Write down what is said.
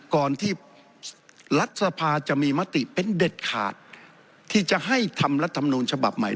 ก่อนที่รัฐสภาจะมีมติเป็นเด็ดขาดที่จะให้ทำรัฐมนูลฉบับใหม่